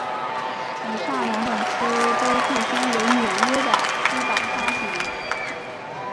以上两本书都最先由纽约的出版发行。